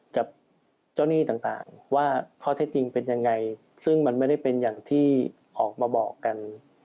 กับเจ้าหนี้ต่างว่าข้อเท็จจริงเป็นยังไงซึ่งมันไม่ได้เป็นอย่างที่ออกมาบอกกัน